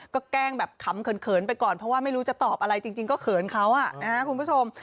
ก็แกล้งแบบขำเขินไปก่อนเพราะว่าไม่รู้จะตอบอะไรจริงก็เขินเขาคุณผู้ชม